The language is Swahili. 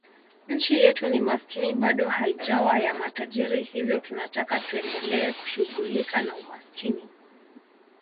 Nchi yetu ni maskini bado haijawa ya matajiri hivyo tunataka tuendelee kushughulika na umaskini